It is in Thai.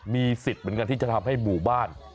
มีสิทธิ์เหมือนกันที่จะทำให้หมู่บ้าน